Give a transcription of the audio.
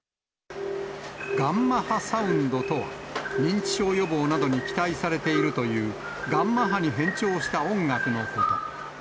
ガンマ波サウンドとは、認知症予防などに期待されているという、ガンマ波に変調した音楽のこと。